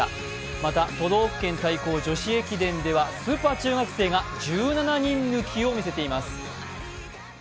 また、都道府県対抗女子駅伝ではスーパー中学生が１７人抜きを見せています。